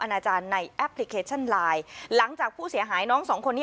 อาจารย์ในแอปพลิเคชันไลน์หลังจากผู้เสียหายน้องสองคนนี้